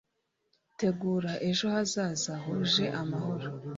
tegura ejo hazaza huje amahoro